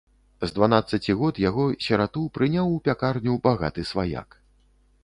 З дванаццаці год яго, сірату, прыняў у пякарню багаты сваяк.